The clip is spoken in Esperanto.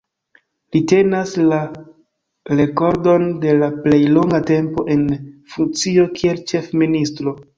Li tenas la rekordon de la plej longa tempo en funkcio kiel Ĉefministro.